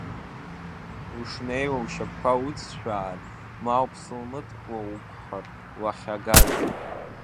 Ушнеиуа ушьапқәа уҵшәаар, ма уԥсылмыткуа уқәхар уахьагаз…